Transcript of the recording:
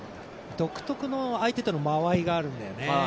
独特の相手との間合いがあるんだよね。